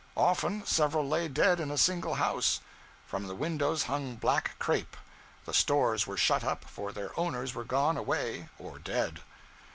Often, several lay dead in a single house; from the windows hung black crape. The stores were shut up, for their owners were gone away or dead.